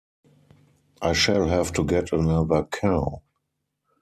I shall have to get another cow!